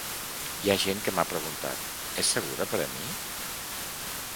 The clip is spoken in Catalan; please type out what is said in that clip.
Hi ha gent que m’ha preguntat: És segura per a mi?